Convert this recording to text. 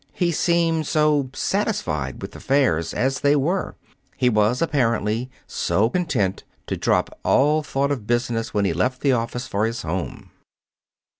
He seemed so satisfied with affairs as they were. He was, apparently, so content to drop all thought of business when he left the office for his home.